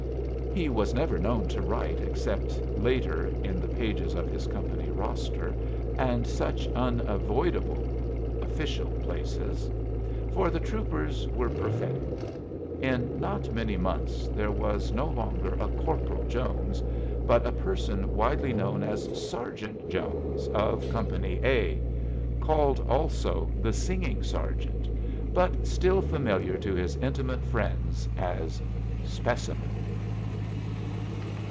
He was never known to write except, later, in the pages of his company roster and such unavoidable official places; for the troopers were prophetic. In not many months there was no longer a Corporal Jones, but a person widely known as Sergeant Jones of Company A; called also the "Singing Sergeant"; but still familiar to his intimate friends as "Specimen."